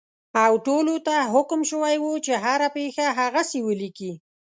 او ټولو ته حکم شوی وو چې هره پېښه هغسې ولیکي.